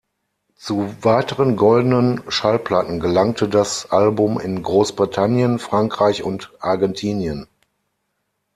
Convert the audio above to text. Zu weiteren Goldenen Schallplatten gelangte das Album in Großbritannien, Frankreich und Argentinien.